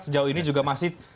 sejauh ini juga masih